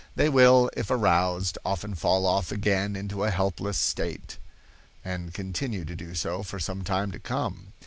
They will, if aroused, often fall off again into a helpless state, and continue to do so for some time to come.